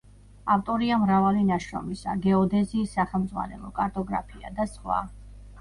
ავტორია მრავალი ნაშრომისა: „გეოდეზიის სახელმძღვანელო“, „კარტოგრაფია“ და სხვა.